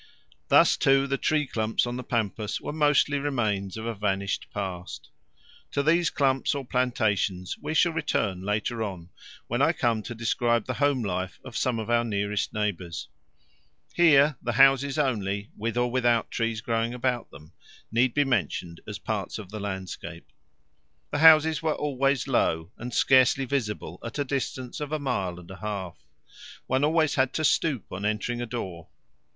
Thus, too, the tree clumps on the pampas were mostly remains of a vanished past. To these clumps or plantations we shall return later on when I come to describe the home life of some of our nearest neighbours; here the houses only, with or without trees growing about them, need be mentioned as parts of the landscape. The houses were always low and scarcely visible at a distance of a mile and a half: one always had to stoop on entering a door.